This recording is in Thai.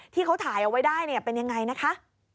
ที่เขาถ่ายเอาไว้ได้เป็นยังไงนะคะ